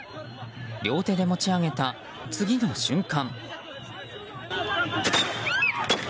両手で持ち上げた次の瞬間。